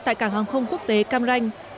tại cảng hàng không quốc tế cam ranh